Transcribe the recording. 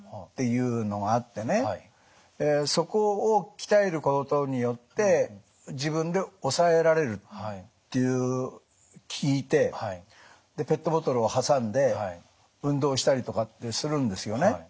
そこを鍛えることによって自分で抑えられると聞いてペットボトルを挟んで運動したりとかってするんですよね。